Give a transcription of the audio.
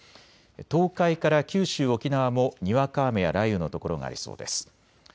東海から九州、沖縄もにわか雨や雷雨の所がありそうです。